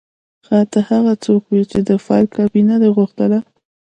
ښه ته هغه څوک وې چې د فایل کابینه دې غوښتله